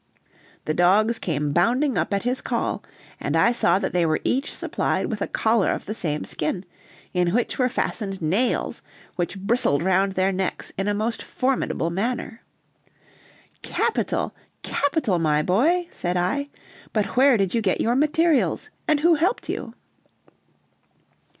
the dogs came bounding up at his call, and I saw that they were each supplied with a collar of the same skin, in which were fastened nails, which bristled round their necks in a most formidable manner. "Capital, capital! my boy," said I, "but where did you get your materials, and who helped you?"